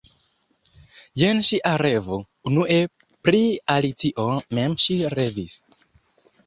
Jen ŝia revo: Unue pri Alicio mem ŝi revis.